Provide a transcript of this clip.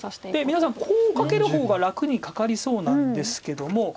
皆さんこうカケる方が楽にカカりそうなんですけども。